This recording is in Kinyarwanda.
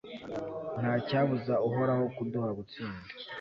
ntacyabuza uhoraho kuduha gutsinda